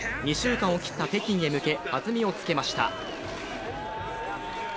２週間を切った北京へ向け弾みをつけました。